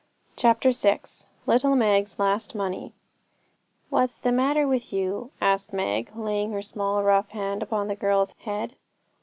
CHAPTER VI Little Meg's Last Money 'What's the matter with you?' asked Meg, laying her small rough hand upon the girl's head.